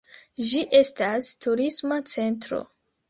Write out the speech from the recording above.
Ĝi estas turisma centro.